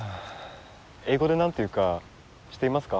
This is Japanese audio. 英語で何て言うか知っていますか？